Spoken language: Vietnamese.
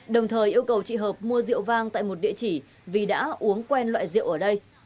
đồng thời yêu cầu chị hợp mua rượu vang tại một địa chỉ vì đã uống quen loại rượu ở đây